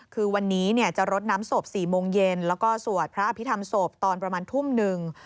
คือวันนี้จะรดน้ำศพ๔โมงเย็นแล้วก็สวดพระอภิษฐรรมศพตอนประมาณทุ่มหนึ่ง